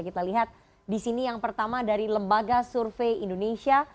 kita lihat disini yang pertama dari lembaga survei indonesia